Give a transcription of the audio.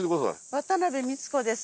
渡辺ミツ子です。